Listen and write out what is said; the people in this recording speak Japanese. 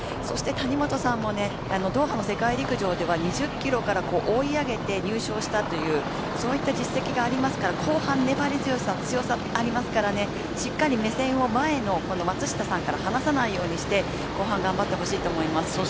そして谷本さんもドーハの世界陸上では２０キロから追い上げて、入賞したというそういった実績がありますから後半粘り強さ強さがありますからしっかり目線を前の松下さんから離さないようにして後半、頑張ってほしいと思います。